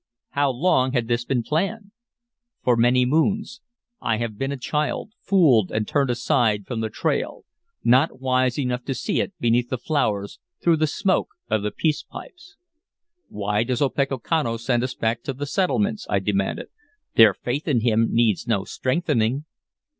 "How long had this been planned?" "For many moons. I have been a child, fooled and turned aside from the trail; not wise enough to see it beneath the flowers, through the smoke of the peace pipes." "Why does Opechancanough send us back to the settlements?" I demanded. "Their faith in him needs no strengthening."